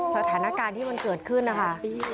สถานการณ์ที่มันเกิดขึ้นนะคะ